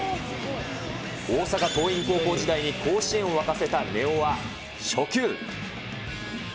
大阪桐蔭高校時代に甲子園を沸かせた根尾は初球。